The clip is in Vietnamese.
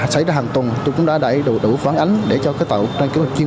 xảy ra hàng tuần chúng tôi cũng đã đầy đủ phản ánh để cho cái tạo trang kiếm